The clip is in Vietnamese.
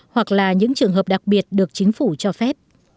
hoặc là những trường hợp đặc biệt được chính phủ cho phép